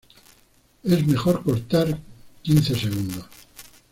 es mejor cortar. quince segundos.